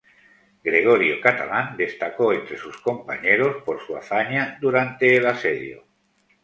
Gregorio Catalán destacó entre sus compañeros por su hazaña durante el asedio.